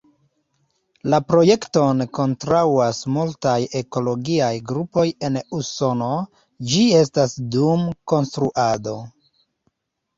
La projekton kontraŭas multaj ekologiaj grupoj en Usono, ĝi estas dum konstruado.